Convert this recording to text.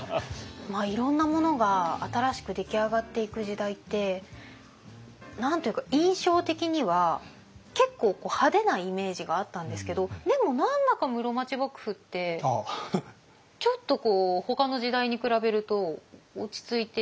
いろんなものが新しく出来上がっていく時代って何と言うか印象的には結構派手なイメージがあったんですけどでも何だか室町幕府ってちょっとこうほかの時代に比べると落ち着いている印象ありますよね。